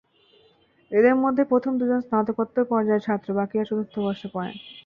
এঁদের মধ্যে প্রথম দুজন স্নাতকোত্তর পর্যায়ের ছাত্র, বাকিরা চতুর্থ বর্ষে পড়েন।